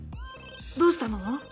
どうしたの？